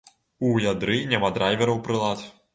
У ядры няма драйвераў прылад.